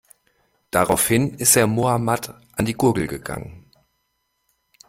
Daraufhin ist er Mohammad an die Gurgel gegangen.